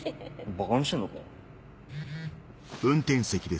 ばかにしてんのか？